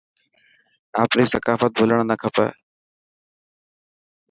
آپري ثقافت ڀلڻ نا کپي.